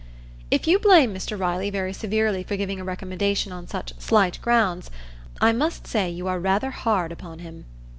If you blame Mr Riley very severely for giving a recommendation on such slight grounds, I must say you are rather hard upon him.